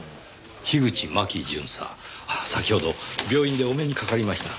樋口真紀巡査先ほど病院でお目にかかりました。